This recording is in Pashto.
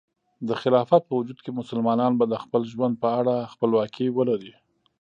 د خلافت په وجود کې، مسلمانان به د خپل ژوند په اړه خپلواکي ولري.